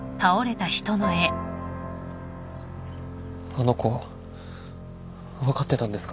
あの子は分かってたんですか？